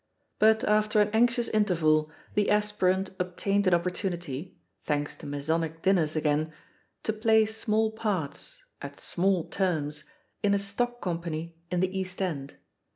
But after an anxious interval, the aspirant obtained an opportunity — ^thanks to Masonic dinners again — ^to play small parts, at small terms, in a stock company in the East End.